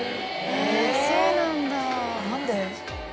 へぇそうなんだ。